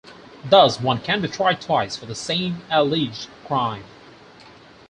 Thus one can be tried twice for the same alleged crime.